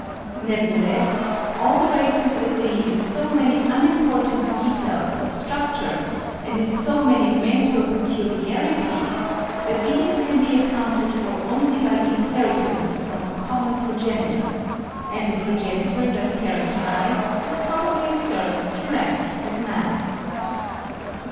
Nevertheless all the races agree in so many unimportant details of structure and in so many mental peculiarities that these can be accounted for only by inheritance from a common progenitor; and a progenitor thus characterised would probably deserve to rank as man.